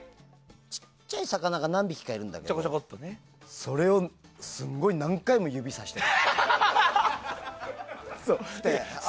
小さい魚が何匹かいるんだけどそれをすごい何回も指さして。